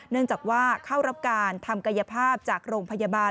เนื่องจากว่าเข้ารับการทำกายภาพจากโรงพยาบาล